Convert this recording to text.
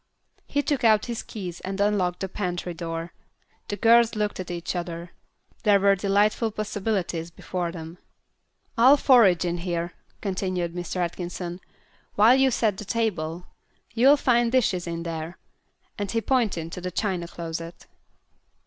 He took out his keys and unlocked the pantry door. The girls looked at each other. There were delightful possibilities before them. "I'll forage in here," continued Mr. Atkinson, "while you set the table. You'll find dishes in there." And he pointed to a china closet.